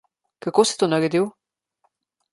Kako si to naredil?